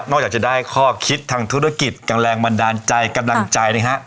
นอกจากจะได้ข้อคิดทางธุรกิจกังเหลงมาด่านใจกด่างใจนะฮะ